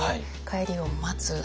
帰りを待つ。